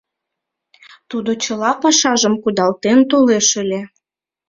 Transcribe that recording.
Тудо чыла пашажым кудалтен толеш ыле.